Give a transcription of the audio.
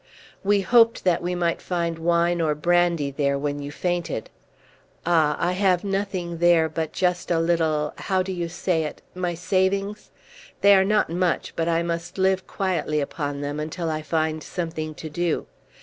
"We hoped that we might find wine or brandy there when you fainted." "Ah! I have nothing there but just a little how do you say it? my savings. They are not much, but I must live quietly upon them until I find something to do.